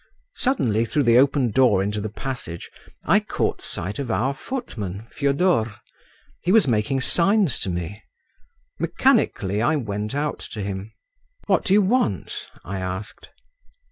Suddenly through the open door into the passage I caught sight of our footman, Fyodor. He was making signs to me. Mechanically I went out to him. "What do you want?" I asked.